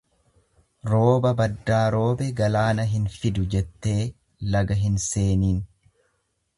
Rooba baddaa roobe galaana hin fidu jettee laga hin seeniin.